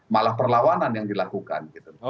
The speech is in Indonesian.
malah perlawanan yang dilakukan gitu